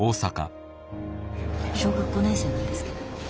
小学５年生なんですけど。